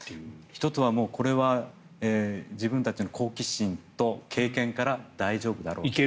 １つはこれは自分たちの好奇心と経験から大丈夫だろうと。